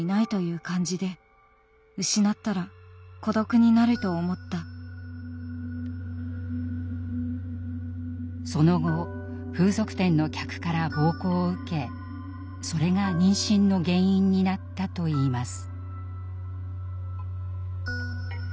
親や周囲との関係に苦しむ中その後風俗店の客から暴行を受けそれが妊娠の原因になったといいます。